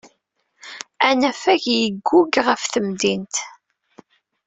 Anafag yeggug ɣef temdint.